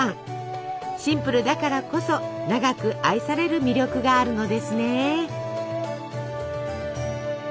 シンプルだからこそ長く愛される魅力があるのですね。